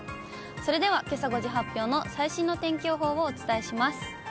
それでは、けさ５時発表の最新の天気予報をお伝えします。